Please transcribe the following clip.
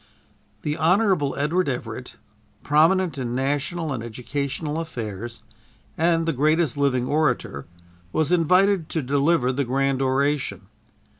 The Hon. Edward Everett, prominent in national and educational affairs, and the greatest living orator, was invited to deliver the grand oration.